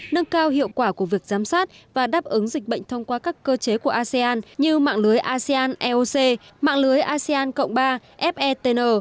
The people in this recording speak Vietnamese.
nâng cao hiệu quả của việc giám sát và đáp ứng dịch bệnh thông qua các cơ chế của asean như mạng lưới asean eoc mạng lưới asean cộng ba fetn